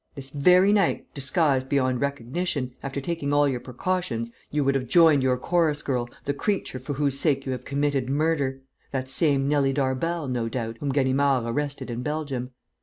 This very night, disguised beyond recognition, after taking all your precautions, you would have joined your chorus girl, the creature for whose sake you have committed murder, that same Nelly Darbal, no doubt, whom Ganimard arrested in Belgium.